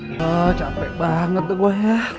wah capek banget tuh gue ya